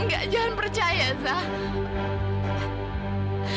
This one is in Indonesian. enggak jangan percaya zahir